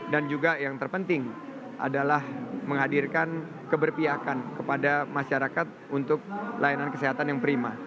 dan juga yang terpenting adalah menghadirkan keberpiakan kepada masyarakat untuk layanan kesehatan yang prima